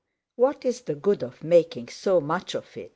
"What's the good of making so much of it?